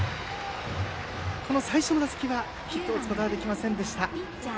最初の打席はヒットを打つことはできませんでした。